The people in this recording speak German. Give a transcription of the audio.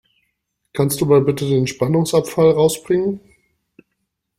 Kannst du mal bitte den Spannungsabfall rausbringen?